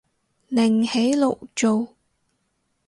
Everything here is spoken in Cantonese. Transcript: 另起爐灶